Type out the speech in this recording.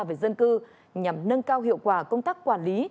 về dân cư nhằm nâng cao hiệu quả công tác quản lý